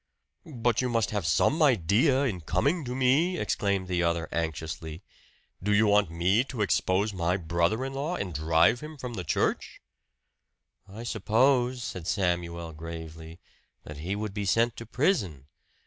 "But you must have some idea in coming to me!" exclaimed the other anxiously. "Do you want me to expose my brother in law and drive him from the church?" "I suppose," said Samuel gravely, "that he would be sent to prison.